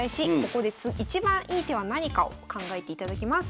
ここで一番いい手は何かを考えていただきます。